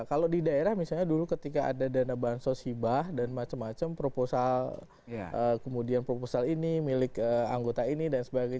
kalau di daerah misalnya dulu ketika ada dana bansos hibah dan macam macam proposal kemudian proposal ini milik anggota ini dan sebagainya